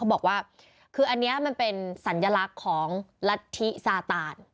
บอกว่าคืออันนี้มันเป็นสัญลักษณ์ของรัฐธิซาตาน